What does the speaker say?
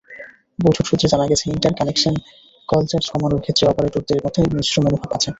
বৈঠকসূত্রে জানা গেছে, inter-connection call charge কমানোর ক্ষেত্রে অপারেটরদের মধ্যে মিশ্র মনোভাব আছে।